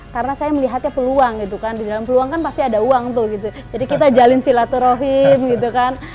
karena saya melihatnya peluang gitu kan di dalam peluang kan pasti ada uang tuh gitu jadi kita jalin silaturohim gitu kan